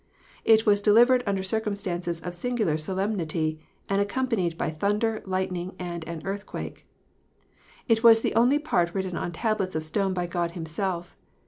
It was delivered under circumstances of singular solemnity, and accompanied by thunder, lightning, and an earthquake. It was the only part written on tables of stone by God Himself.